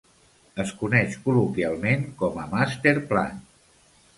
Es coneix col·loquialment com a "Master Plan".